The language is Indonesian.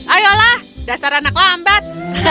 ayolah dasar anak lambat